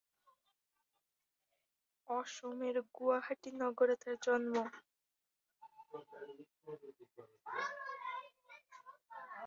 অসমের গুয়াহাটি নগরে তার জন্ম।